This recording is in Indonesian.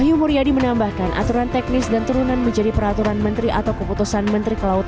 wahyu muryadi menambahkan aturan teknis dan turunan menjadi peraturan menteri atau keputusan menteri kelautan